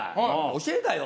教えたんよ。